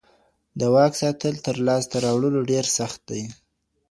د واک ساتل تر لاسته راوړلو ډېر سخت دي.